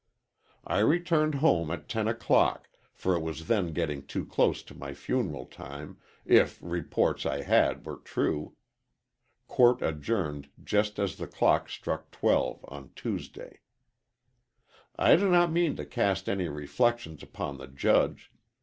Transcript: "I returned home at ten o'clock, for it was then getting too close to my funeral time, if reports I had were true. Court adjourned just as the clock struck twelve on Tuesday. "I do not mean to cast any reflections upon the judge.